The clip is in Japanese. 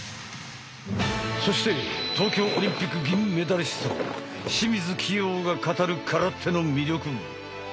そして東京オリンピック銀メダリスト清水希容が語る空手の魅力。